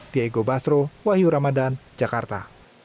diego basro wahyu ramadan jakarta